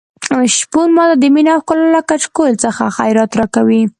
شپون ماته د مينې او ښکلا له کچکول څخه خیرات راکوي.